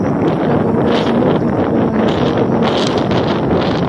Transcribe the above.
La congregación Bautista permanece hoy en San Olaf.